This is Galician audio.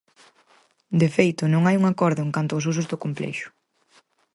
De feito, non hai un acordo en canto aos usos do complexo.